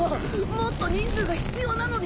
もっと人数が必要なのに！